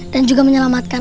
dan juga menyelamatkan